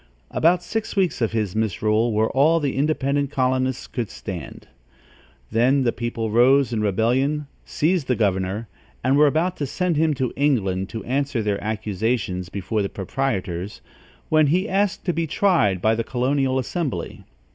About six weeks of his misrule were all the independent colonists could stand. Then the people rose in rebellion, seized the governor, and were about to send him to England to answer their accusations before the proprietors, when he asked to be tried by the colonial assembly.